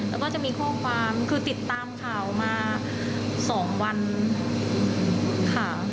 แล้วก็จะมีข้อความคือติดตามข่าวมา๒วันค่ะ